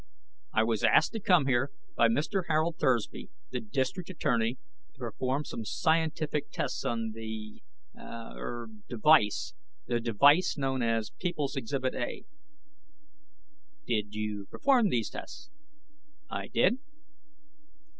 "I was asked to come here by Mr. Harold Thursby, the District Attorney, to perform some scientific tests on the ... er ... device ... the device known as People's Exhibit A." "Did you perform these tests?" "I did."